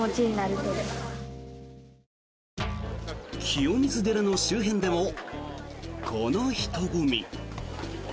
清水寺の周辺でもこの人混み。